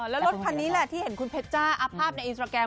แล้วรถคันนี้แหละที่เห็นคุณเพชรจ้าอัพภาพในอินสตราแกรม